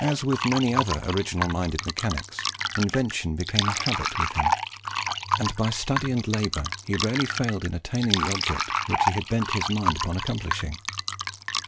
As with many other original minded mechanics, invention became a habit with him, and by study and labour he rarely failed in attaining the object which he had bent his mind upon accomplishing.